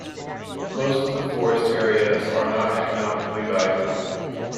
Most of the forest areas are not economically valuable.